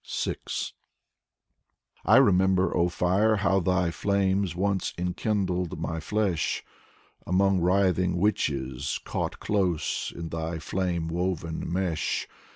6 I remember, O Fire, How thy flames once enkindled my flesh. Among writhing witches caught close in thy flame woven mesh.